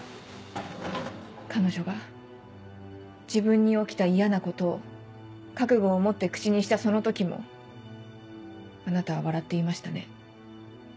彼女が自分に起きた嫌なことを覚悟をもって口にしたその時もあなたは笑っていましたね。